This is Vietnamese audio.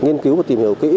nghiên cứu và tìm hiểu kỹ